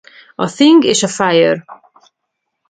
A Thing és a Fire!